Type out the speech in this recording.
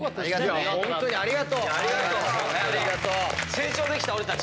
成長できた俺たち。